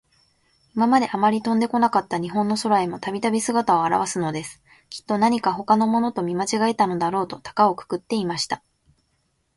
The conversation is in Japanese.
いままで、あまり飛んでこなかった日本の空へも、たびたび、すがたをあらわすのです。きっと、なにかほかのものと、見まちがえたのだろうと、たかをくくっていました。